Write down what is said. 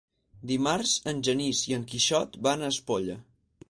Dimarts en Genís i en Quixot van a Espolla.